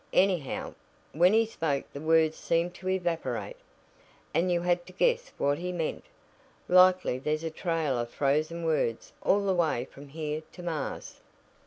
Anyhow, when he spoke the words seemed to evaporate, and you had to guess what he meant. Likely there's a trail of frozen words all the way from here to Mars."